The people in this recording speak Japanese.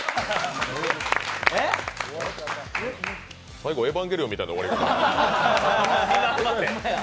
最後、「エヴァンゲリオン」みたいな終わり方。